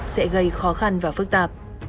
sẽ gây khó khăn và phức tạp